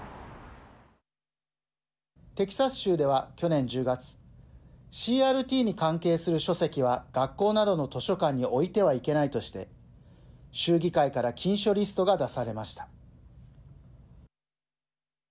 テキサス州では去年１０月ＣＲＴに関係する書籍は学校などの図書館に置いてはいけないとして州議会から禁書リストが出されました。